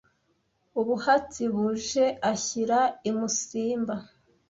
Ubuhatsi buje ashyira i Musimba